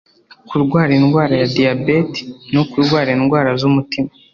kurwara indwara ya diyabeti no kurwara indwara z’umutima